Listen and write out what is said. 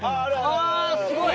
ああすごい。